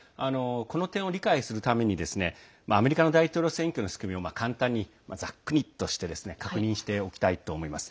この点を理解するためにアメリカの大統領選挙の仕組みを簡単にざっくりとして確認しておきたいと思います。